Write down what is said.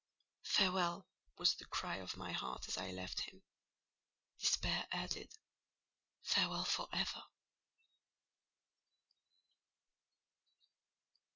"Farewell!" was the cry of my heart as I left him. Despair added, "Farewell for ever!"